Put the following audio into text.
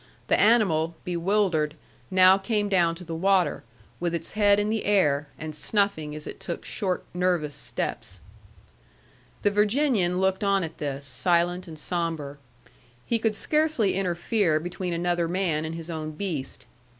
The animal, bewildered, now came down to the water, with its head in the air, and snuffing as it took short, nervous steps. The Virginian looked on at this, silent and sombre. He could scarcely interfere between another man and his own beast.